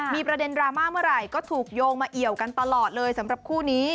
มีประเด็นดราม่าเมื่อไหร่ก็ถูกโยงมาเอี่ยวกันตลอดเลยสำหรับคู่นี้